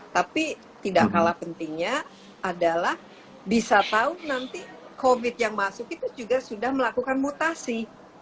tapi tidak kalah pentingnya adalah bisa tahu nanti covid yang masuk itu juga sudah melakukan mutasi